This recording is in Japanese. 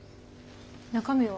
中身は？